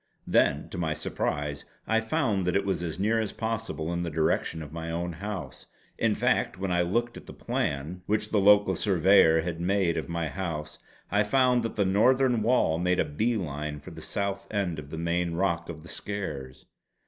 Then to my surprise I found that it was as near as possible in the direction of my own house. In fact when I looked at the plan which the local surveyor had made of my house I found that the northern wall made a bee line for the south end of the main rock of the Skares.